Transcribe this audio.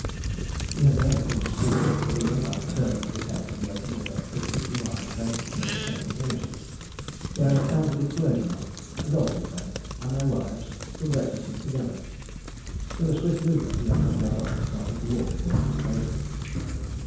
He had barely finished speaking when the young man turned his head from the open window and fixed his blue eyes vacantly on the table nearest him, where an elderly clergyman, a golfing friend, and their wives, were breakfasting together. With a swift movement the young man got up, and started to walk towards this table.